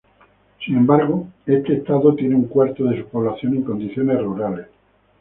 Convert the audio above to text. Sin embargo, este estado tiene un cuarto de su población en condiciones rurales.